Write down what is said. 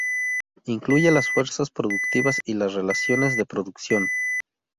Incluye las fuerzas productivas y las relaciones de producción.